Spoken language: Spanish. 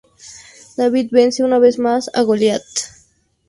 David vence una vez más a Goliath.